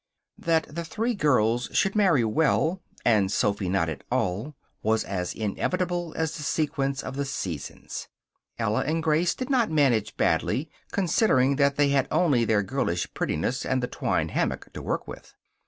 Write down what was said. That the three girls should marry well, and Sophy not at all, was as inevitable as the sequence of the seasons. Ella and Grace did not manage badly, considering that they had only their girlish prettiness and the twine hammock to work with.